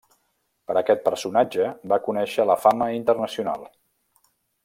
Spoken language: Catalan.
Per aquest personatge va conèixer la fama internacional.